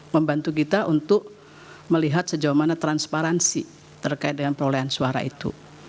membantu kita untuk melihat sejauh mana transparansi terkait dengan perolehan suara itu